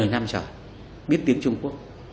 một mươi năm trở biết tiếng trung quốc